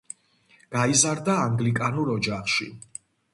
გაიზარდა ანგლიკანურ ოჯახში.